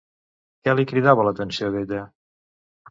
Què li cridava l'atenció d'ella?